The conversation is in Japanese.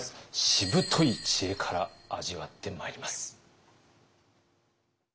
しぶとい知恵から味わってまいります。